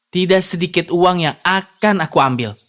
tidak sedikit uang yang akan aku ambil